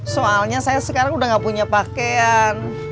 soalnya saya sekarang udah gak punya pakaian